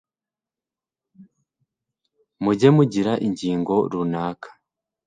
mujye mugira ingingo runaka